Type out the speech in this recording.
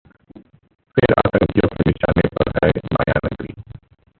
फिर आतंकियों के निशाने पर है मायानगरी